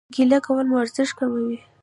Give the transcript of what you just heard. ګيله کول مو ارزښت کموي